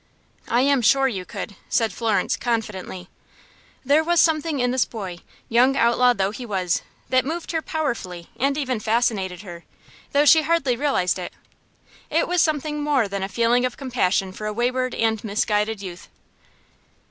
"I am sure you could," said Florence, confidently. There was something in this boy, young outlaw though he was, that moved her powerfully, and even fascinated her, though she hardly realized it. It was something more than a feeling of compassion for a wayward and misguided youth.